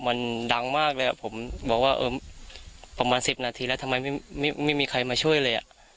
มันดังมากเลยผมบอกว่าเออประมาณ๑๐นาทีแล้วทำไมไม่มีใครมาช่วยเลย